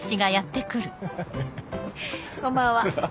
こんばんは。